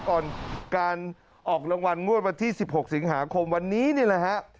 ก่อนการออกรางวัลงวดวันที่๑๖สิงหาคมวันนี้นี่แหละฮะ